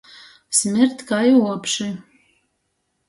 Smird kai uopši.